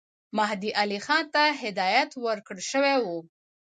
مهدي علي خان ته هدایت ورکړه شوی وو.